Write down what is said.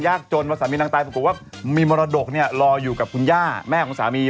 ถ้าเล่าอีกหน่อยไม่ต้องดูรายการตรวมนี้